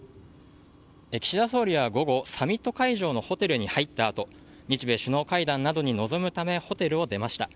岸田総理は午後、サミット会場のホテルに入ったあと日米首脳会談などに臨むためホテルを出ました。